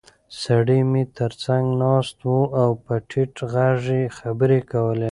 سړی مې تر څنګ ناست و او په ټیټ غږ یې خبرې کولې.